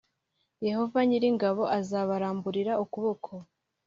Yehova nyiri ingabo azabaramburira ukuboko